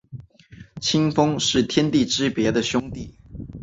清风是天地之别的兄弟。